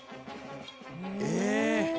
ええ？